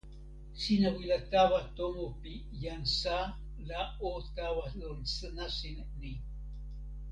sina wile tawa tomo pi jan Sa la o tawa lon nasin ni.